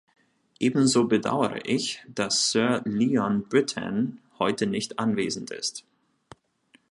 Ebenso bedauere ich, dass Sir Leon Brittan heute nicht anwesend ist.